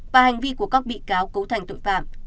và hành vi của các bị cáo cấu thành tội phạm